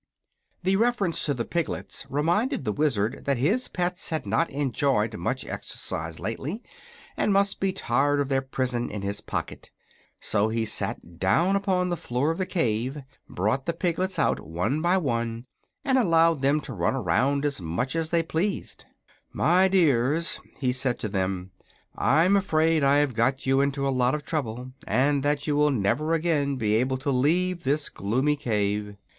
The reference to the piglets reminded the Wizard that his pets had not enjoyed much exercise lately, and must be tired of their prison in his pocket. So he sat down upon the floor of the cave, brought the piglets out one by one, and allowed them to run around as much as they pleased. "My dears," he said to them, "I'm afraid I've got you into a lot of trouble, and that you will never again be able to leave this gloomy cave."